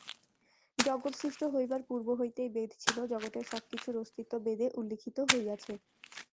জগৎ সৃষ্ট হইবার পূর্ব হইতেই বেদ ছিল, জগতের সব-কিছুর অস্তিত্ব বেদে উল্লিখিত হইয়াছে।